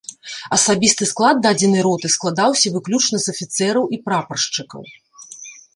Асабісты склад дадзенай роты складаўся выключна з афіцэраў і прапаршчыкаў.